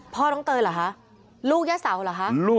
พ่อน้องเตยเหรอคะลูกย่าเสาเหรอคะ